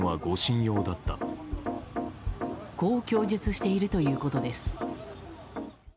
こう供述しているということです。